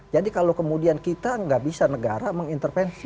jadi kalau kemudian kita gak bisa negara mengintervensi